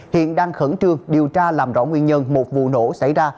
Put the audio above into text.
hiện đang khẩn trương điều tra làm rõ nguyên nhân một vụ nổ xảy ra